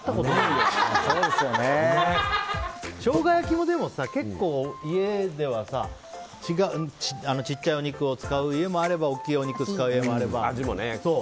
でも、ショウガ焼きも家では結構小さいお肉を使う家もあれば大きいお肉使う家もあれば。